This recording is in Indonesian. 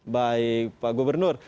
baik pak gubernur